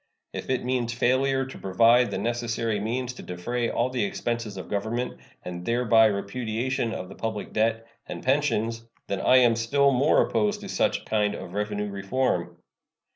If it means failure to provide the necessary means to defray all the expenses of Government, and thereby repudiation of the public debt and pensions, then I am still more opposed to such kind of revenue reform.